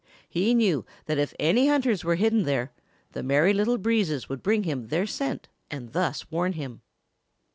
He knew that if any hunters were hidden there, the Merry Little Breezes would bring him their scent and thus warn him.